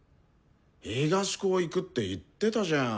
東高行くって言ってたじゃん。